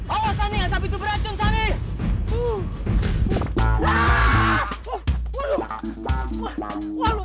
awas sani ansap itu beracun sani